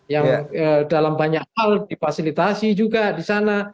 yang dalam banyak hal difasilitasi juga di sana